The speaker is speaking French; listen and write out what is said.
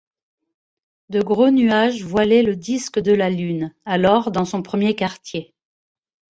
De gros nuages voilaient le disque de la lune, alors dans son premier quartier.